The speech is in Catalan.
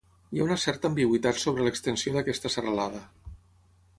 Hi ha una certa ambigüitat sobre l'extensió d'aquesta serralada.